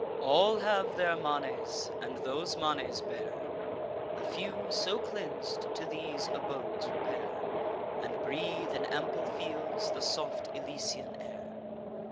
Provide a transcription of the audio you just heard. All have their manes, and those manes bear: The few, so cleans'd, to these abodes repair, And breathe, in ample fields, the soft Elysian air.